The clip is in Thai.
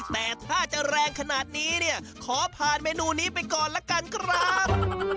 แต่ถ้าจะแรงขนาดนี้เนี่ยขอผ่านเมนูนี้ไปก่อนละกันครับ